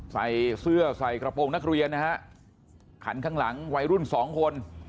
ใส่เสื้อใส่กระโปรงนักเรียนนะฮะขันข้างหลังวัยรุ่นสองคน